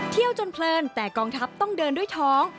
จนเพลินแต่กองทัพต้องเดินด้วยท้อง